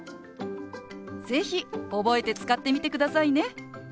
是非覚えて使ってみてくださいね。